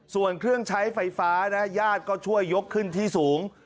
ส่วนเครื่องใช้ไฟฟ้านะญาติก็ช่วยยกขึ้นที่สูง